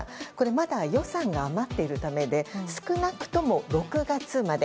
まだ予算が余っているためで少なくとも６月まで。